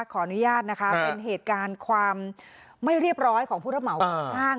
ขออนุญาตนะคะเป็นเหตุการณ์ความไม่เรียบร้อยของผู้รับเหมาก่อสร้าง